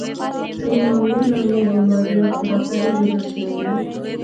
اے نویاں نویاں بیماریاں خراکا نی وجہ سی ہونیاں